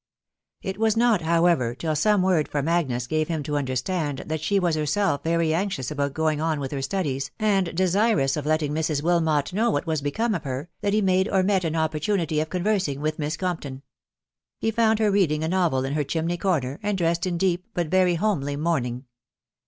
Jt was not, however, 'till some word from .Agues gave him to 'understand that she was herself very anxious About going •on with her studies, and desirous of letting Mrs. Wilmot know what was become of her, that he made or met *n opportunity «rf conversing with Miss Compton. He 'found her reading a novel in her chimney corner, and dressed in deep, but very homely mourning.